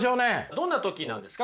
どんな時なんですか？